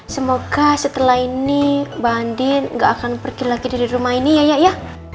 semoga setelah ini mbak andi gak akan pergi lagi dari rumah ini ya ya